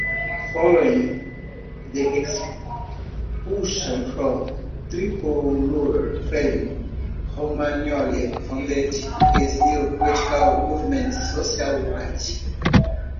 Following the expulsion from Tricolour Flame, Romagnoli founded his new political movement, Social Right.